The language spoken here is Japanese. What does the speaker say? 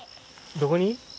どこに？